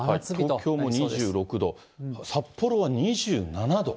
東京も２６度、札幌は２７度。